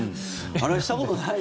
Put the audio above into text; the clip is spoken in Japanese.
あれ、したことない。